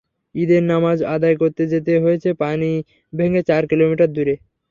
ঈদের নামাজ আদায় করতে যেতে হয়েছে পানি ভেঙে চার কিলোমিটার দূরে।